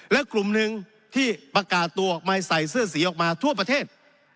และกลุ่มหนึ่งที่ประกาศตัวออกมาใส่เสื้อสีออกมาทั่วประเทศ